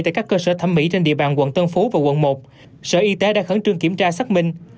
tại các cơ sở thẩm mỹ trên địa bàn quận tân phú và quận một sở y tế đã khẩn trương kiểm tra xác minh